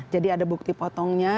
jadi ada bukti potongnya